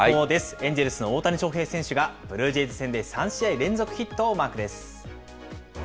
エンジェルスの大谷翔平選手がブルージェイズ戦で３試合連続ヒットをマークです。